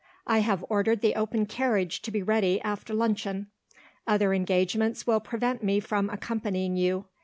I have ordered the open carriage to be ready, after luncheon. Other engagements will prevent me from accompanying you.